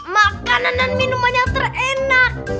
makanan dan minuman yang terenak